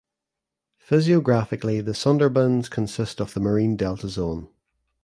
Physiographically the Sundarbans consist of the marine delta zone.